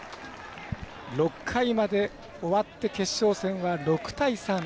６回まで終わって決勝戦は６対３。